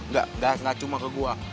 enggak cuma ke gue